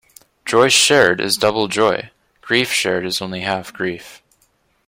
Joy shared is double joy; grief shared is only half grief.